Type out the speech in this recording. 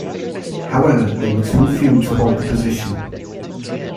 However, they were too few to hold the position.